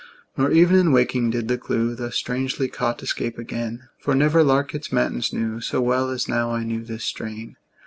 Nor even in waking did the clew, Thus strangely caught, escape again; For never lark its matins knew So well as now I knew this strain.